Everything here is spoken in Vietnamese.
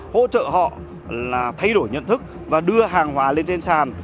hỗ trợ họ là thay đổi nhận thức và đưa hàng hóa lên trên sàn